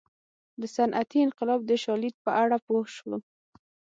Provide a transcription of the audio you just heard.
د صنعتي انقلاب د شالید په اړه پوه شو.